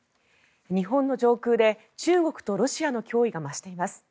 日本の上空で中国とロシアの脅威が増しています。